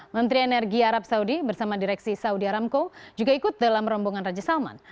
menteri energi arab saudi bersama direksi saudi aramco juga ikut dalam rombongan raja salman